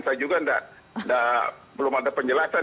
saya juga belum ada penjelasan